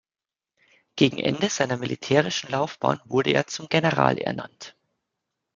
Gegen Ende seiner militärischen Laufbahn wurde er zum General ernannt.